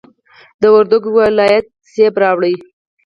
د وردګو ولایت مڼې راوړه.